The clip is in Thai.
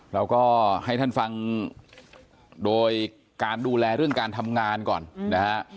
เราก็ให้ท่านฟังโดยการดูแลเรื่องการทำงานก่อนนะฮะ